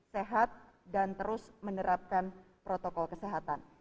sehat dan terus menerapkan protokol kesehatan